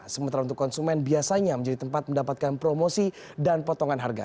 sementara untuk konsumen biasanya menjadi tempat mendapatkan promosi dan potongan harga